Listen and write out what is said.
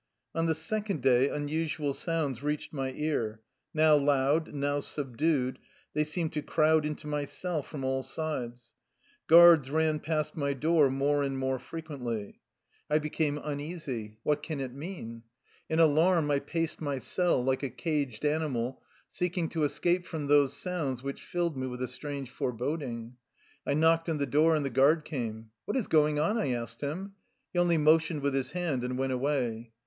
On the second day unusual sounds reached my ear; now loud, now subdued, they seemed to crowd into my cell from all sides. Guards ran past my door more and more frequently. I be 67 THE LIFE STORY OF A RUSSIAN EXILE came uneasy. What can it mean? In alarm I paced my cell, like a caged animal, seeking to escape from tbose sounds which filled me with a strange foreboding. I knocked on the door, and the guard came. "What is going on?" I asked him. He only motioned with his hand, and went away.